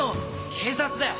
警察だよ！